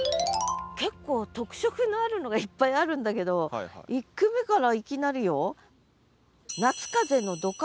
結構特色のあるのがいっぱいあるんだけど１句目からいきなりよ。